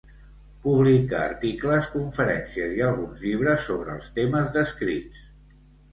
Publica articles, conferències i alguns llibres sobre els temes descrits.